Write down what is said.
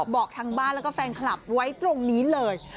บอกทางบ้านแล้วก็แฟนคลับไว้ตรงนี้เลย